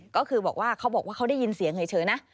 ก็คือบอกว่าเขาบอกว่าเขาได้ยินเสียงเฉยนะ